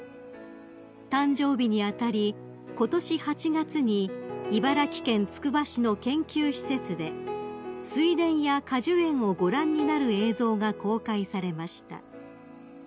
［誕生日に当たりことし８月に茨城県つくば市の研究施設で水田や果樹園をご覧になる映像が公開されました］